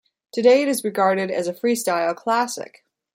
Today, it is regarded as a freestyle classic.